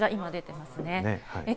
こちら今、出ていますね。